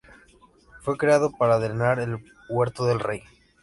Fue creado para drenar el huerto del rey.